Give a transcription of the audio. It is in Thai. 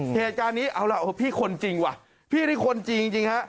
เหตุการณ์นี้เอาล่ะพี่คนจริงว่ะพี่นี่คนจริงจริงฮะ